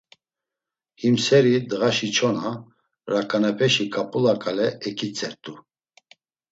Him seri ndğaşi çona, raǩanepeşi ǩap̌ula ǩale eǩitzert̆u.